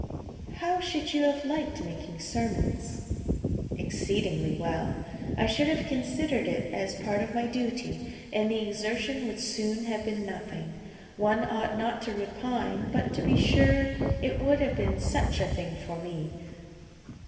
"How should you have liked making sermons?" "Exceedingly well. I should have considered it as part of my duty, and the exertion would soon have been nothing. One ought not to repine; but, to be sure, it would have been such a thing for me!